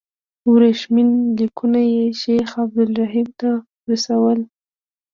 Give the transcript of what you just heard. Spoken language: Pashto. ورېښمین لیکونه یې شیخ عبدالرحیم ته رسول.